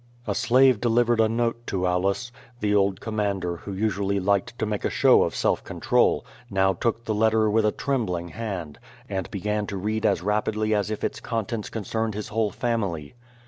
A slave delivered a note to Aulus. The old commander, who usually liked to make a show of self control, now took the letter with a trembling hand, and began to read as rapidly as if its contents concerned his whole family.